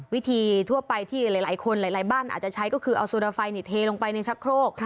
วิธีทั่วไปที่หลายคนหลายบ้านอาจจะใช้ก็คือเอาโซดาไฟเทลงไปในชักโครก